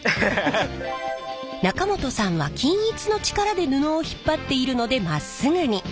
中本さんは均一の力で布を引っ張っているのでまっすぐに。